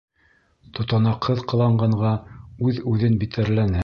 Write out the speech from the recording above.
Тотанаҡһыҙ ҡыланғанға үҙ-үҙен битәрләне.